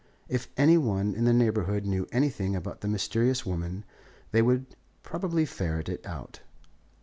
If any one in the neighbourhood knew anything about the mysterious woman, they would probably ferret it out.